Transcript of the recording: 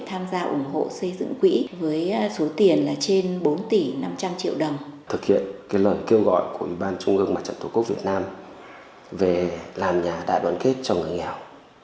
trong hai năm hai nghìn một mươi sáu hai nghìn một mươi bảy với sự chỉ đạo khuyết liệt của thường trực ban thường vụ huyện đến cơ sở